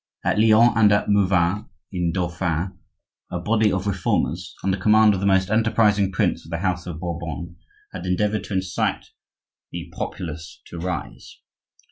At Lyon, and at Mouvans in Dauphine, a body of Reformers, under command of the most enterprising prince of the house of Bourbon had endeavored to incite the populace to rise.